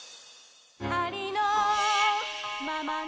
「ありのままの」